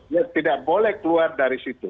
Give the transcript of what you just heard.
ya tidak boleh keluar dari situ